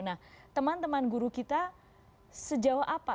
nah teman teman guru kita sejauh apa